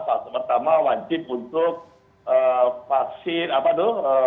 fase pertama wajib untuk vaksin apa tuh